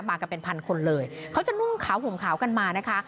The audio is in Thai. มากันเป็นพันคนเลยเขาจะนุ่งขาวห่มขาวกันมานะคะ